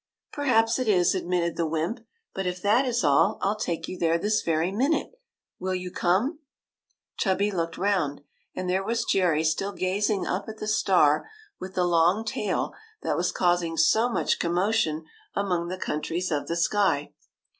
" Perhaps it is," admitted the wymp ;'' but if that is all, I '11 take you there this very min ute. Will you come ?" Chubby looked round ; and there was Jerry still gazing up at the star with the long tail, that was causing so much commotion among the countries of the sky.